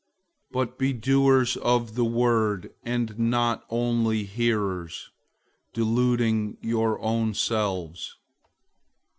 001:022 But be doers of the word, and not only hearers, deluding your own selves.